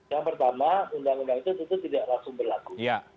yang pertama undang undang itu tentu tidak langsung berlaku